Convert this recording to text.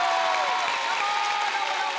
どうもどうもどうも！